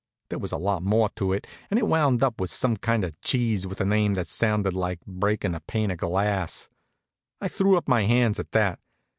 There was a lot more to it, and it wound up with some kind of cheese with a name that sounded like breakin' a pane of glass. I threw up my hands at that.